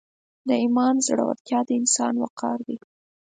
د ایمان زړورتیا د انسان وقار دی.